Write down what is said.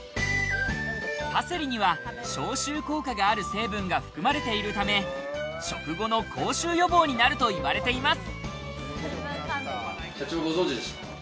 パセリには消臭効果がある成分が含まれているため、食後の口臭予防になると言われています。